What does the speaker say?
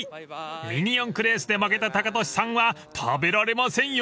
［ミニ四駆レースで負けたタカトシさんは食べられませんよ］